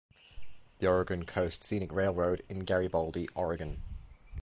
The Oregon Coast Scenic Railroad in Garibaldi, Oregon.